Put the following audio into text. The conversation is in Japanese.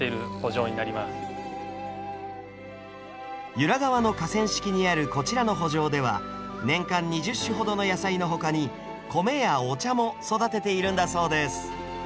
由良川の河川敷にあるこちらの圃場では年間２０種ほどの野菜の他に米やお茶も育てているんだそうです